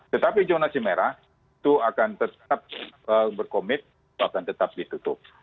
tetapi zonasi merah itu akan tetap berkomit akan tetap ditutup